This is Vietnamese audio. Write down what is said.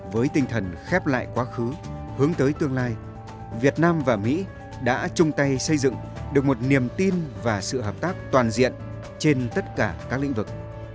với tinh thần khép lại quá khứ hướng tới tương lai việt nam và mỹ đã chung tay xây dựng được một niềm tin và sự hợp tác toàn diện trên tất cả các lĩnh vực